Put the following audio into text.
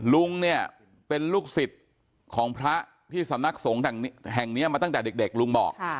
ลุงเนี่ยเป็นลูกศิษย์ของพระที่สำนักสงฆ์แห่งนี้มาตั้งแต่เด็กลุงบอก